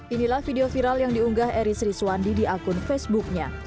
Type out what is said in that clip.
inilah video viral yang diunggah eris rizwandi di akun facebooknya